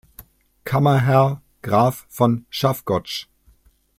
Kammerherr Graf von Schaffgotsch.